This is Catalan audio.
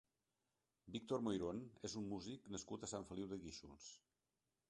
Víctor Moirón és un músic nascut a Sant Feliu de Guíxols.